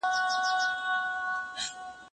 زه اوس د ښوونځی لپاره امادګي نيسم!.